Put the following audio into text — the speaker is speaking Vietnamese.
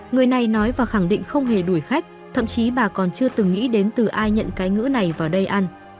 người này nói và khẳng định không hề đuổi khách thậm chí bà còn chưa từng nghĩ đến từ ai nhận cái ngữ này vào đây ăn